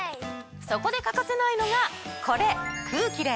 そこで欠かせないのがこれ。